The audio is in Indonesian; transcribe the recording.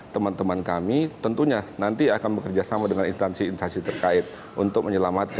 teman teman kami tentunya nanti akan bekerjasama dengan instansi instansi terkait untuk menyelamatkan generasi muda negeri ini